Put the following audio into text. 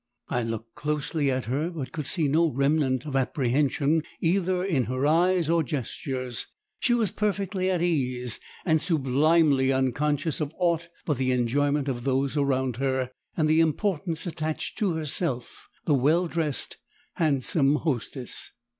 I looked closely at her but could see no remnant of apprehension either in her eyes or gestures, she was perfectly at ease and sublimely unconscious of aught but the enjoyment of those around her and the importance attached to herself, the well dressed handsome hostess.